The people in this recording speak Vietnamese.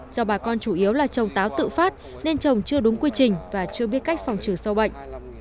do bà con chủ yếu là trồng táo tự phát nên trồng chưa đúng quy trình và chưa biết cách phòng trừ sâu bệnh